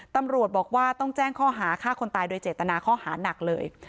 ตำรวจบอกว่าต้องแจ้งข้อหาฆ่าคนตายโดยเจตนาข้อหานักเลย